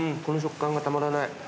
この食感がたまらない。